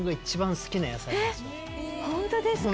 本当ですか！